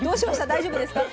大丈夫ですか？